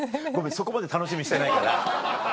そこまで楽しみにしてないから。